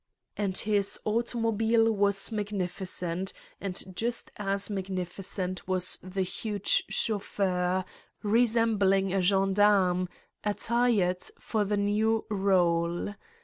And his automobile was magnificent and just as magnificent was the huge chauffeur, resembling a gendarme, attired for the new role.